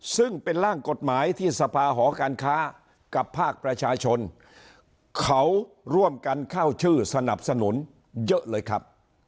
ซึ่งเป็นร่างกฎหมายที่สภาหอการค้ากับภาคประชาชนเขาร่วมกันเข้าชื่อสนับสนุนเยอะเลยครับ